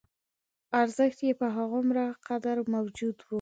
ارزښت یې په همغومره قدر موجود و.